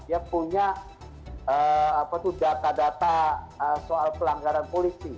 dia punya data data soal pelanggaran polisi